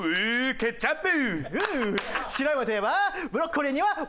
ケチャップ！